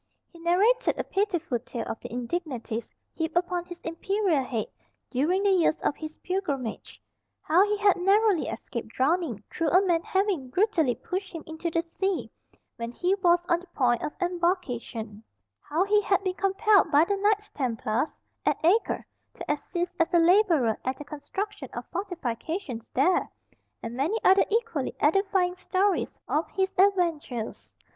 He narrated a pitiful tale of the indignities heaped upon his imperial head during the years of his pilgrimage; how he had narrowly escaped drowning through a man having brutally pushed him into the sea when he was on the point of embarkation; how he had been compelled by the Knights Templars, at Acre, to assist as a labourer at the construction of fortifications there; and many other equally edifying stories of his adventures.